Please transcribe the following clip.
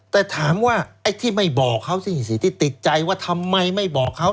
แต่ถามว่าไอ้ที่ไม่บอกเขาสิที่ติดใจว่าทำไมไม่บอกเขา